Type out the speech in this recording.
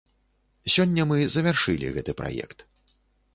Сёння мы завяршылі гэты праект.